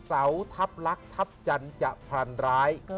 เสาทัพลักษณ์ทัพจันทร์จะพันร้าย